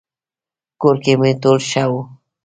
کور کې مو ټول ښه وو؟